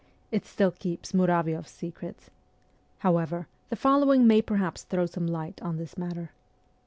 It still keeps Muravi6ff s secrets. However the following may perhaps throw some light on this matter.